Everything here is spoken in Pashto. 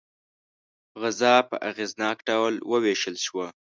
غذا په اغېزناک ډول وویشل شوه.